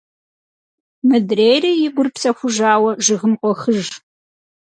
Мыдрейри, и гур псэхужауэ, жыгым къохыж…